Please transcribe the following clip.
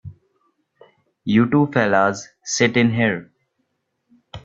You two fellas sit in here.